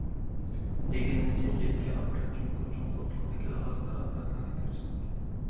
ئىگىلىنىشىچە، يەككە ئاپپارات جۇڭگو چوڭ قۇرۇقلۇقىدىكى ئالاقىدار ئاپپاراتلارنى كۆرسىتىدىكەن.